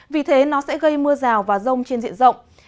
vì thế nó sẽ gây mưa rào và rông trên diện rộng